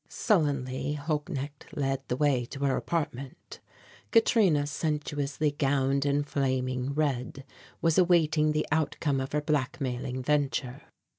Sullenly, Holknecht led the way to her apartment. Katrina sensuously gowned in flaming red was awaiting the outcome of her blackmailing venture.